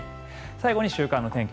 最後に週間の天気